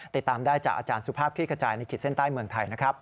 ติดตามได้จากอาจารย์สุภาพคลี่ขจายในขีดเส้นใต้เมืองไทยนะครับ